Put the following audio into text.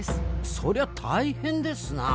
そりゃ大変ですなあ。